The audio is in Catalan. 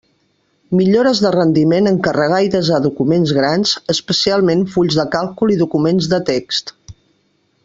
Millores de rendiment en carregar i desar documents grans, especialment fulls de càlcul i documents de text.